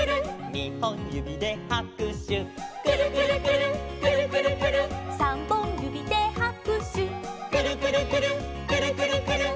「にほんゆびではくしゅ」「くるくるくるっくるくるくるっ」「さんぼんゆびではくしゅ」「くるくるくるっくるくるくるっ」